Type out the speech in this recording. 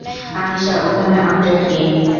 আনিশা, ওখানে আপডেট কী?